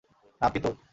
নাম কি তোর?